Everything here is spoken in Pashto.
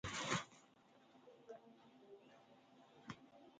له همدې کبله په یو سوه یو اویا کال کې بدلونونه پیل شول